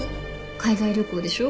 海外旅行でしょ